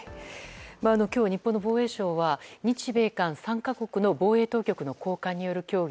今日、日本の防衛省は日米韓３か国の防衛当局の高官による協議